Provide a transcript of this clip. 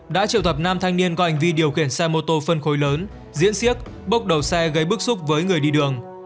đã triệu tập năm thanh niên có hành vi điều khiển xe mô tô phân khối lớn diễn siếc bốc đầu xe gây bức xúc với người đi đường